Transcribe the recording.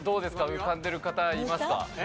浮かんでる方いますか？